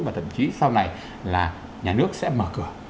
và thậm chí sau này là nhà nước sẽ mở cửa